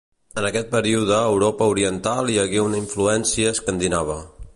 En aquest període a Europa oriental hi hagué una influència escandinava.